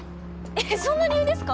えっそんな理由ですか？